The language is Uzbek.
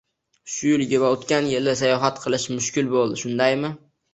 shu yili va oʻtgan yil sayohat qilish mushkul boʻldi, shundaymi?